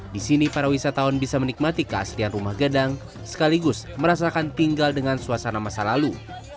di sini para wisatawan bisa menikmati keaslian rumah gadang sekaligus merasakan tinggal dengan suasana masa lalu